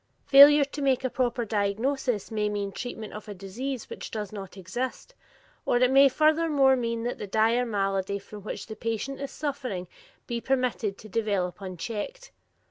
Failure to make a proper diagnosis may mean treatment of a disease which does not exist, or it may furthermore mean that the dire malady from which the patient is suffering be permitted to develop unchecked.